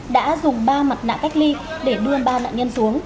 đã dùng ba mặt nạ cách ly để đưa ba nạn nhân xuống